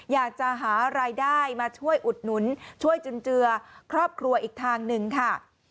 อยากจะหารายได้มาช่วยอุดหนุนช่วยจุนเจือครอบครัวอีกทางหนึ่งค่ะ